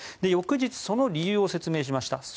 翌日、その理由を説明しました。